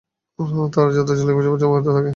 তাঁর রাজত্ব চল্লিশ বছর পর্যন্ত অব্যাহত থাকে।